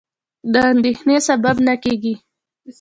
د اندېښنې سبب نه کېږي.